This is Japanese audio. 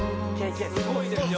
すごいですよ